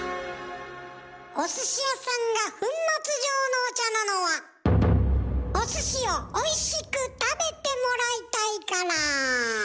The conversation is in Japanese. お寿司屋さんが粉末状のお茶なのはお寿司をおいしく食べてもらいたいから。